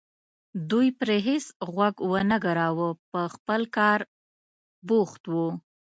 دوی پرې هېڅ غوږ ونه ګراوه په خپل کار بوخت وو.